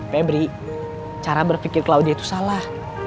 febri cara berpikir claudia itu salah